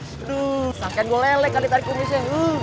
aduh sakit gue lelek kali tarik kumisnya